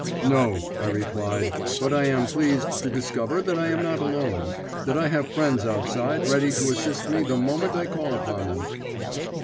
"No," I replied, "but I am pleased to discover that I am not alone, that I have friends outside ready to assist me the moment I call upon them."